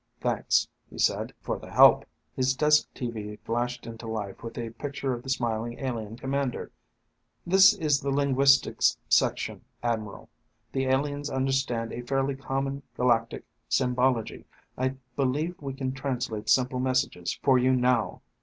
"Thanks," he said, "for the help." His desk tv flashed into life with a picture of the smiling alien commander. "This is the linguistics section, Admiral. The aliens understand a fairly common galactic symbology, I believe we can translate simple messages for you now."